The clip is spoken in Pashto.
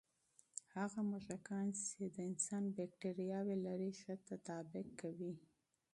هغه موږکان چې د انسان بکتریاوې لري، ښه تطابق کوي.